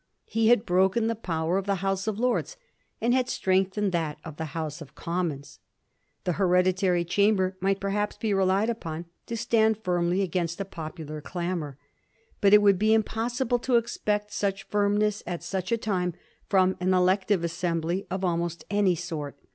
He had broken the power of the House of Lords and had strengthened that of the House of Commons. The hereditary Chamber might perhaps be relied upon to stand firmly against a popular clamor, but it would be impossible to expect such firmness at such a time from an elective assembly of al most any sort.